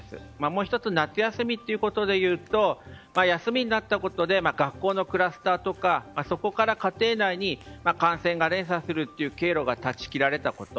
もう１つ夏休みということでいうと休みになったことで学校のクラスターとかそこから家庭内に感染が連鎖するという経路が断ち切られたこと。